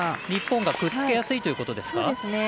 日本がくっつけやすいということですか。